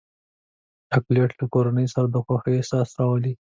چاکلېټ له کورنۍ سره د خوښۍ احساس راولي.